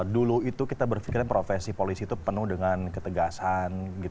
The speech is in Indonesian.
dulu itu kita berpikirnya profesi polisi itu penuh dengan ketegasan